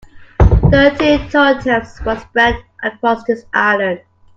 Thirteen totems were spread across this island.